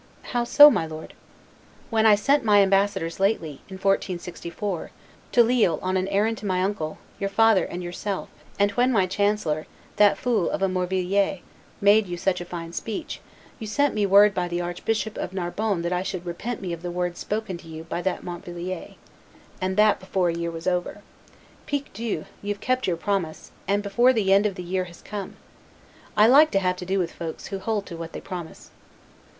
"How so, my lord?" "When I sent my ambassadors lately [in 1464] to Lille on an errand to my uncle, your father and yourself, and when my chancellor, that fool of a Morvilliers, made you such a fine speech, you sent me word by the Archbishop of Narbonne that I should repent me of the words spoken to you by that Morvilliers, and that before a year was over. Piques Dieu, you've kept your promise, and before the end of the year has come. I like to have to do with folks who hold to what they promise."